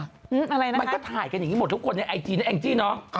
อะไรนะมันก็ถ่ายกันอย่างนี้หมดทุกคนในไอจีนะแองจี้เนอะ